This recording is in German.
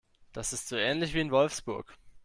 Das ist so ähnlich wie in Wolfsburg